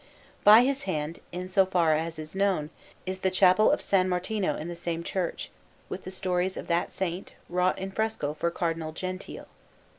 By his hand, in so far as is known, is the Chapel of S. Martino in the same church, with the stories of that Saint, wrought in fresco for Cardinal Gentile.